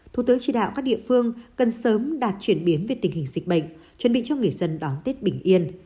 thủ tướng chỉ đạo các địa phương cần sớm đạt chuyển biến về tình hình dịch bệnh chuẩn bị cho người dân đón tết bình yên